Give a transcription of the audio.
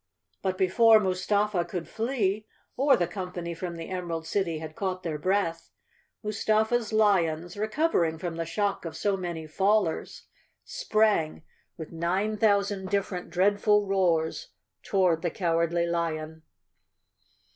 But before Mustafa could flee, or the company from the Emerald City had caught their breath, Mus¬ tafa's lions, recovering from the shock of so many fall ers, sprang with nine thousand different dreadful roars toward the Cowardly Lion.